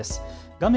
画面